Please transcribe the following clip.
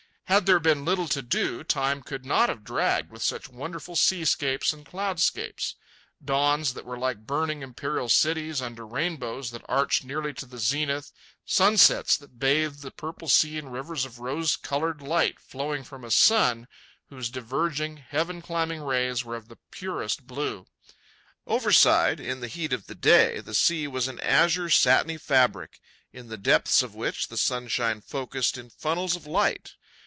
Had there been little to do, time could not have dragged with such wonderful seascapes and cloudscapes—dawns that were like burning imperial cities under rainbows that arched nearly to the zenith; sunsets that bathed the purple sea in rivers of rose coloured light, flowing from a sun whose diverging, heaven climbing rays were of the purest blue. Overside, in the heat of the day, the sea was an azure satiny fabric, in the depths of which the sunshine focussed in funnels of light.